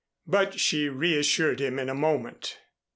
But she reassured him in a moment.